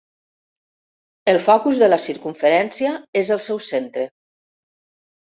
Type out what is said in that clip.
El focus de la circumferència és el seu centre.